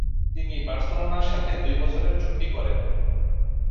তিনি বার্সেলোনার সাথে দুই বছরের চুক্তি করেন।